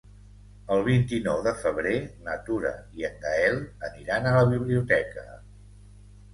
El vint-i-nou de febrer na Tura i en Gaël aniran a la biblioteca.